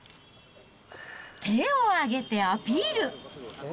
手を挙げてアピール。